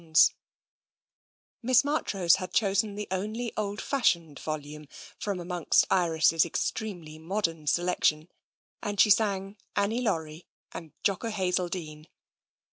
TENSION 87 Miss Marchrose had chosen the only old fashioned volume from amongst Iris's extremely modem selec tion, and she sang *' Annie Laurie " and " Jock o' Hazeldean."